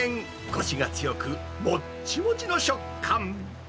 こしが強く、もっちもちの食感。